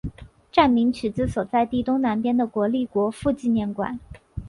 站名取自所在地东南边的国立国父纪念馆。